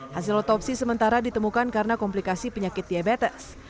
hasil otopsi sementara ditemukan karena komplikasi penyakit diabetes